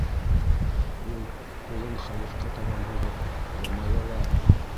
Ул, ҡулын хәлифкә табан һуҙып, йылмая ла: